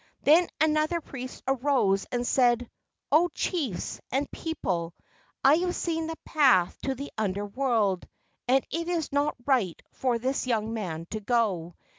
Then another priest arose and said: "O chiefs and people, I have seen the path to the Under world, and it is not right for this young man to go.